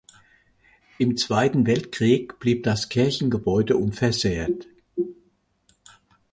Im Zweiten Weltkrieg blieb das Kirchengebäude unversehrt.